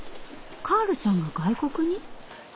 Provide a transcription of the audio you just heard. カールさんが外国に？